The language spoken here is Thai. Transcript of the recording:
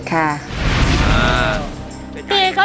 พี่เป๋า